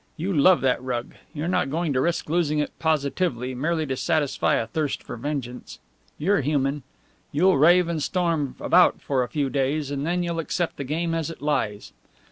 You love that rug. You're not going to risk losing it positively, merely to satisfy a thirst for vengeance. You're human. You'll rave and storm about for a few days, then you'll accept the game as it lies.